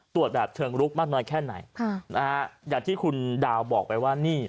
ตรวจแบบเชิงลุกมากน้อยแค่ไหนค่ะนะฮะอย่างที่คุณดาวบอกไปว่านี่